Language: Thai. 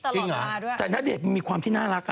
จริงเหรอแต่นาเดชน์มีความที่น่ารักอ่ะ